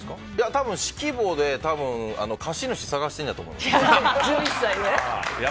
たぶん指揮棒で貸し主探してるんやと思います。